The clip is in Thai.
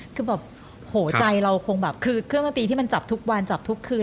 คือแบบโหใจเราคงแบบคือเครื่องดนตรีที่มันจับทุกวันจับทุกคืน